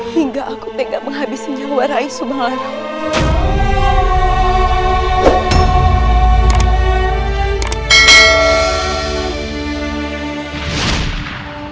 hingga aku tidak menghabisinya warai subangaram